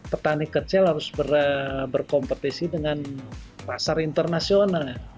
petani kecil harus berkompetisi dengan pasar internasional